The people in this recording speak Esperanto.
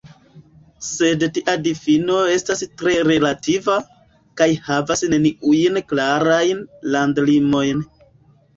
Sed tia difino estas tre relativa, kaj havas neniujn klarajn landlimojn.